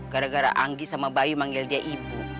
gara gara anggi sama bayi manggil dia ibu